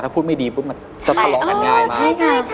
ถ้าพูดไม่ดีปุ๊บมันจะพล้อมกันง่ายมาก